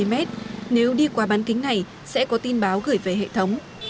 hai mươi mét nếu đi qua bán kính này sẽ có tin báo gửi về hệ thống